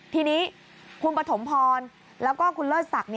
ทีนี้คุณปฐมพรแล้วก็คุณเลิศศักดิ์